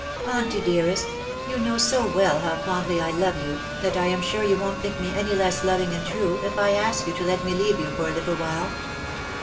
" Auntie, dearest, you know so well how fondly I love you, that I am sure you won't think me any less loving and true, if I ask you to let me leave you for a little while.